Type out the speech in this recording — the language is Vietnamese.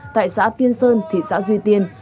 tại xã tiên sơn thị xã duy tiên